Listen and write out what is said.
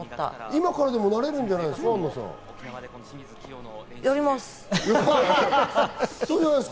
今からでもなれるんじゃないやります。